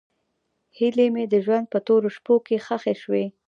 هیلې مې د ژوند په تورو شپو کې ښخې شوې.